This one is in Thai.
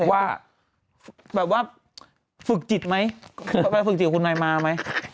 ว่าแบบว่าฝึกจิตไหมไปฝึกจิตคุณนายมาไหม